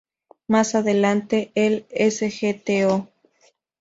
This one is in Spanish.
Más adelante, el Sgto.